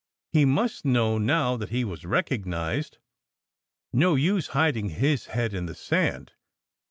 He must know now that he was recognized. No use hiding his head in the sand